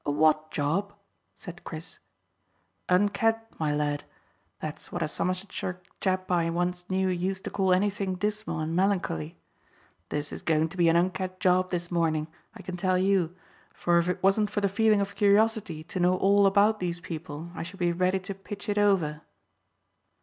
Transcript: "A what job?" said Chris. "Unked, my lad. That's what a Somersetshire chap I once knew used to call anything dismal and melancholy. This is going to be an unked job this morning, I can tell you, for if it wasn't for the feeling of curiosity to know all about these people I should be ready to pitch it over."